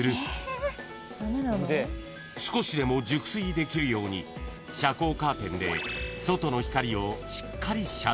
［少しでも熟睡できるように遮光カーテンで外の光をしっかり遮断］